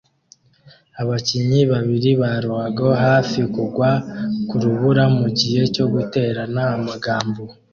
Abakinnyi babiri ba ruhago hafi kugwa ku rubura mugihe cyo guterana amagambo